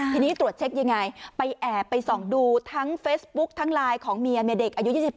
ทีนี้ตรวจเช็คยังไงไปแอบไปส่องดูทั้งเฟซบุ๊คทั้งไลน์ของเมียเมียเด็กอายุ๒๘